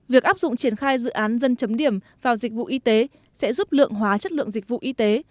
việc áp dụng triển khai dự án dân chấm điểm vào dịch vụ y tế sẽ giúp lượng hóa chất lượng dịch vụ y tế